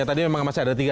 tadi memang masih ada tiga